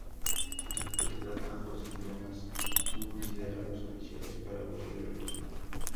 En la actualidad ambos emblemas son considerados oficiales para uso del equipo.